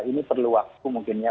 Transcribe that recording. ini perlu waktu mungkin ya